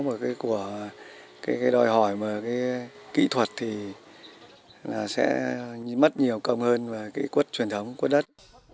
còn cái khó của cái đòi hỏi cái kỹ thuật thì sẽ mất nhiều công hơn về cái cốt truyền thống cốt đất